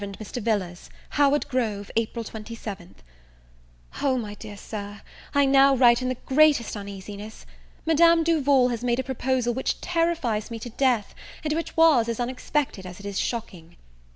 MR. VILLARS Howard Grove, April 27. O MY dear Sir, I now write in the greatest uneasiness! Madame Duval has made a proposal which terrifies me to death, and which was as unexpected as it is shocking.